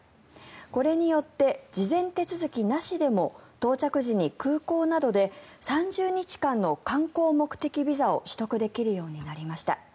これによって事前手続きなしでも到着時に空港などで３０日間の観光目的ビザを取得できるようになりました。